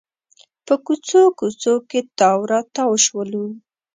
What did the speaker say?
په کوڅو کوڅو کې تاو راتاو شولو.